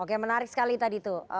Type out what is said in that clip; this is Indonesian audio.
oke menarik sekali tadi tuh